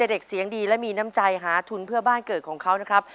เด็กเสียงดีและมีน้ำใจหาทุนเพื่อบ้านเกิดของเขานะครับ